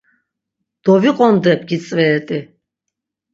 Doviqondep gitzveret̆i.